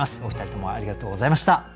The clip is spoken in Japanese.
お二人ともありがとうございました。